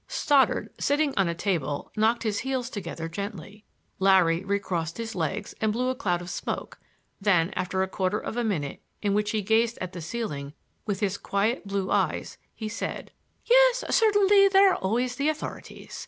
Stoddard, sitting on a table, knocked his heels together gently. Larry recrossed his legs and blew a cloud of smoke. Then, after a quarter of a minute in which he gazed at the ceiling with his quiet blue eyes, he said: "Yes; certainly, there are always the authorities.